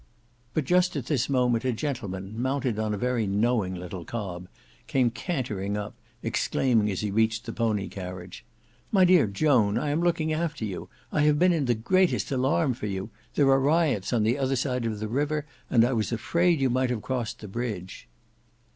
But just at this moment a gentleman, mounted on a very knowing little cob, came cantering up, exclaiming, as he reached the pony carriage, "My dear Joan, I am looking after you. I have been in the greatest alarm for you. There are riots on the other side of the river, and I was afraid you might have crossed the bridge."